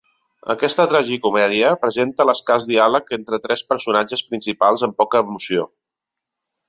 Aquesta tragicomèdia presenta l'escàs diàleg entre tres personatges principals amb poca emoció.